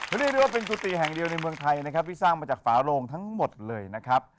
เรียกได้ว่าเป็นกุฏิแห่งเดียวในเมืองไทยนะครับที่สร้างมาจากฝาโลงทั้งหมดเลยนะครับ